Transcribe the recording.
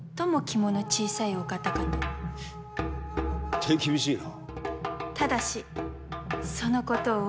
手厳しいな。